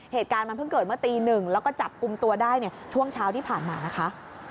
เหตุการณ์มันเพิ่งเกิดเมื่อตีหนึ่งแล้วก็จับกลุ่มตัวได้เนี่ยช่วงเช้าที่ผ่านมานะคะ